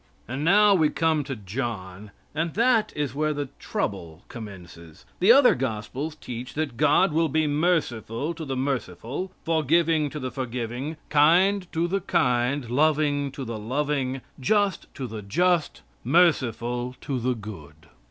And now we come to John, and that is where the trouble commences. The other gospels teach that God will be merciful to the merciful, forgiving to the forgiving, kind to the kind, loving to the loving, just to the just, merciful to the good.